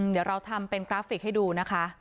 เดี๋ยวเราทำเป็นกราฟิกให้ดูนะคะ